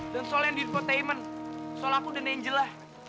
dan soal yang di infotainment soal aku dan angela